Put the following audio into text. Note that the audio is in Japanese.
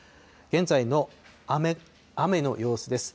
現在の雨の様子です。